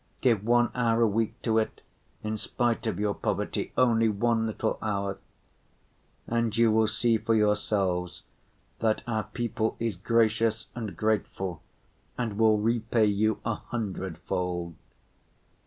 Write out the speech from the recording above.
Give one hour a week to it in spite of your poverty, only one little hour. And you will see for yourselves that our people is gracious and grateful, and will repay you a hundred‐fold.